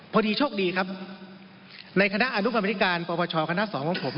พอดีโชคดีครับในคณะอนุควรรมนิการประวัติศาสตร์คณะ๒ของผม